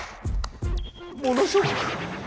モノショック！